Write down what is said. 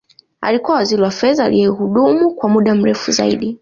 Alikuwa Waziri wa fedha aliyehudumu kwa muda mrefu zaidi